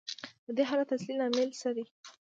د دې حالت اصلي لامل څه دی